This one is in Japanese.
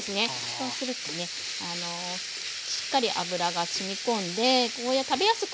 そうするとねしっかり脂がしみ込んでゴーヤー食べやすくなりますので。